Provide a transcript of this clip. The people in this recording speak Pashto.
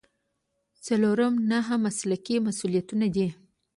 څلورم نهه مسلکي مسؤلیتونه دي.